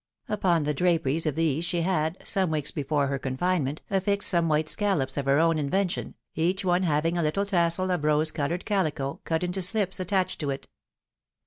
Upon the draperies of these she had, some weeks before her confinement, affixed some white scallops of her own inven tion, each one having a little tassel of rose coloured cahco, cut into slips, attached to it.